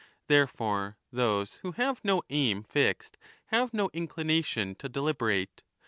Therefore, those who have no aim fixed 30 have no inclination to deliberate.